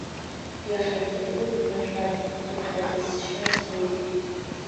Иаҳагьы лгәы ԥнажәап, иаҳагьы сшьа зуеит.